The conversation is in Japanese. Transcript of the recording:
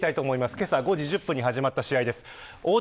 けさ５時１０分に始まった試合です。